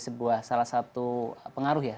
sebuah salah satu pengaruh ya